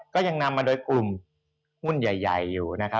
ก็ยังนำมาโดยกลุ่มหุ้นใหญ่อยู่นะครับ